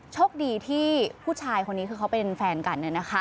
โชคดีที่ผู้ชายคนนี้คือเขาเป็นแฟนกัน